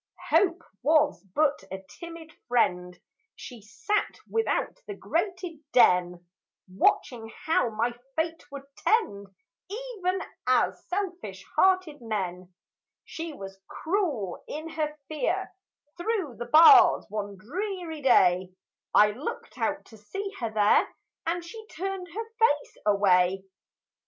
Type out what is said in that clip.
Hope Was but a timid friend; She sat without the grated den, Watching how my fate would tend, Even as selfish hearted men. She was cruel in her fear; Through the bars one dreary day, I looked out to see her there, And she turned her face away!